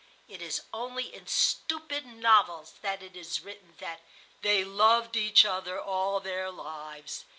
It is only in stupid novels that it is written that 'they loved each other all their lives.